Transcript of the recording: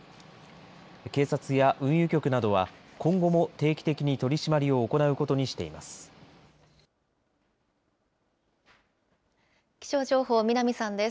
警察や運輸局などは、今後も定期的に取締りを行うことにしています。